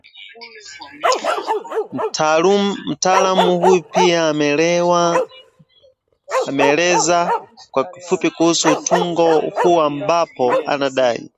Mtaalamu huyu pia ameeleza kwa kifupi kuhusu utungo huu ambapo anadai